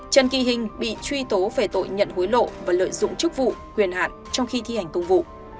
trần kỳ hình bị truy tố về tội nhận hối lộ và lợi dụng chức vụ quyền hạn trong khi thi hành công vụ